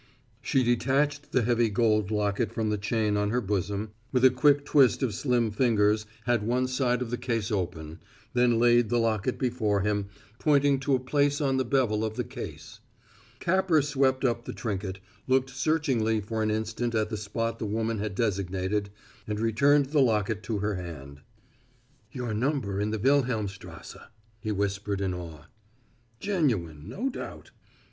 She detached the heavy gold locket from the chain on her bosom, with a quick twist of slim fingers had one side of the case open, then laid the locket before him, pointing to a place on the bevel of the case. Capper swept up the trinket, looked searchingly for an instant at the spot the woman had designated, and returned the locket to her hand. "Your number in the Wilhelmstrasse," he whispered in awe. "Genuine, no doubt.